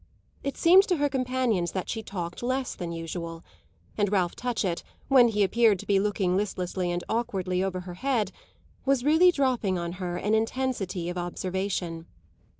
It seemed to her companions that she talked less than usual, and Ralph Touchett, when he appeared to be looking listlessly and awkwardly over her head, was really dropping on her an intensity of observation.